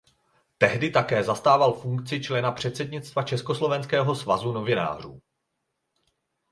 Tehdy také zastával funkci člena předsednictva Československého svazu novinářů.